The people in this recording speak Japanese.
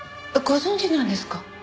ご存じなんですか？